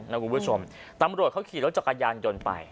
นะคุณผู้ชมตำรวจเขาขี่รถจักรยานยนต์ไป